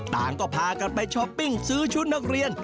ต่างก็พากันไปช้อปปิ้งซื้อชุดนักเรียน